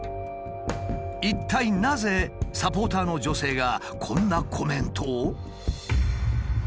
一体なぜサポーターの女性がこんなコメントを？